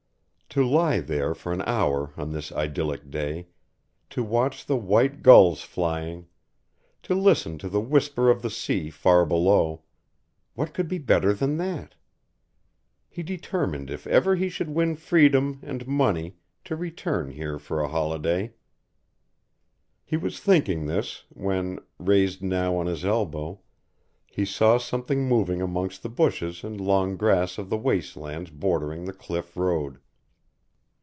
To lie here for an hour on this idyllic day, to watch the white gulls flying, to listen to the whisper of the sea far below, what could be better than that? He determined if ever he should win freedom and money to return here for a holiday. He was thinking this, when, raised now on his elbow, he saw something moving amongst the bushes and long grass of the waste lands bordering the cliff road.